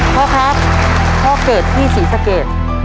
พ่อครับข้อเกตที่ศรีสเกต